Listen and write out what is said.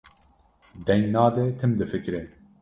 deng nade, tim difikire.